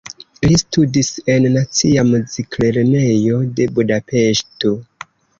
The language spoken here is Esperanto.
Li studis en Nacia Muziklernejo de Budapeŝto.